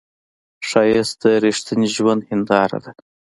ښایست د رښتینې ژوندو هنداره ده